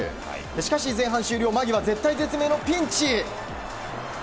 しかし前半終了間際絶体絶命のピンチ。